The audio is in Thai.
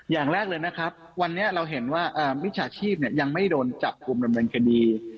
อย่างแรกเลยนะครับวันนี้เราเห็นว่ามิจฉาชีพยังไม่โดนจับกลุ่มดำเนินคดี